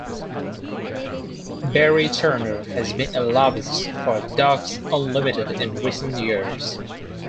Barry Turner has been a lobbyist for Ducks Unlimited in recent years.